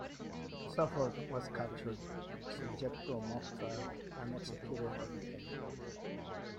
Suffolk was captured, subjected to a mock trial, and executed by beheading.